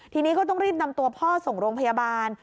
ทีนี้ก็ต้องรีบนำตัวพ่อส่งโรงพยาบาล